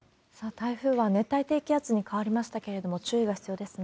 台風は熱帯低気圧に変わりましたけれども、注意が必要ですね。